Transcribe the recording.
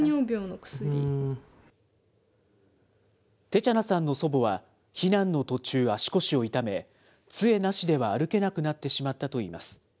テチャナさんの祖母は、避難の途中、足腰を痛め、つえなしでは歩けなくなってしまったといいます。